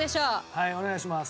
はいお願いします。